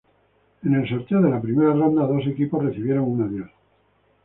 En el sorteo de la primera ronda, dos equipos recibieron un adiós.